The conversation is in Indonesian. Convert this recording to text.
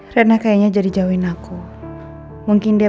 mama ke kamar dulu sebentar